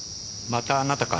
またあなたか。